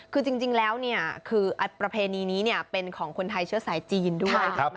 คือจริงแล้วคือประเพณีนี้เป็นของคนไทยเชื้อสายจีนด้วย